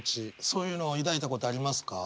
そういうのを抱いたことありますか？